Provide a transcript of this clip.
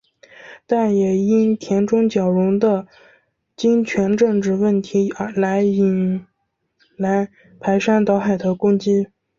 但也因田中角荣的金权政治问题来引来排山倒海的攻击。